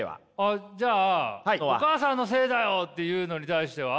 あっじゃあ「お母さんのせいだよ」って言うのに対しては？